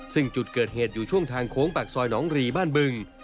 ซึ่งจุดเกิดเหตุอยู่ช่วงทางโค้งปากซอยหนองรีบ้านบึง